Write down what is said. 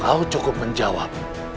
kau cukup menjawab